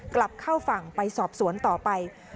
กลับเข้าฝั่งไปสอบสวนต่อไป